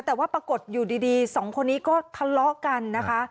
แต่ว่าปรากฏอยู่ดีสองคนนี้ก็ทะเลาะกันนะคะ